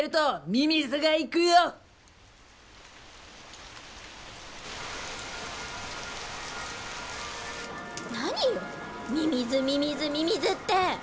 ミミズミミズミミズって！